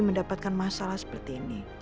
mendapatkan masalah seperti ini